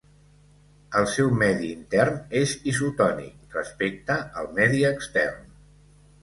El seu medi intern és isotònic respecte al medi extern.